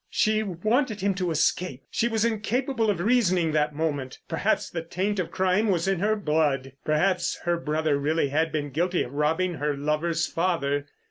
She wanted him to escape! She was incapable of reasoning that moment. Perhaps the taint of crime was in her blood. Perhaps her brother really had been guilty of robbing her lover's father.